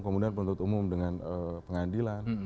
kemudian penuntut umum dengan pengadilan